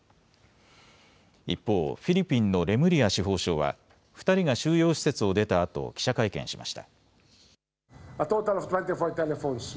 一方、フィリピンのレムリア司法相は２人が収容施設を出たあと記者会見しました。